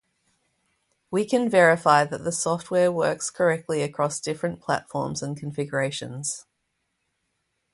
We can verify that the software works correctly across different platforms and configurations.